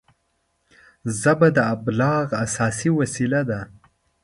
ژبه د ابلاغ اساسي وسیله ده